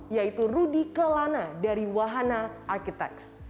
yaitu rudy kelana dari wahana arkiteks